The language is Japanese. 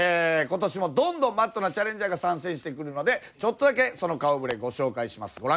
今年もどんどんマッドなチャレンジャーが参戦してくるのでちょっとだけその顔ぶれご紹介します。